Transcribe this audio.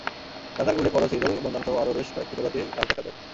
রাতারগুলে করচ, হিজল, বনজামসহ আরও বেশ কয়েক প্রজাতির গাছ দেখা যায়।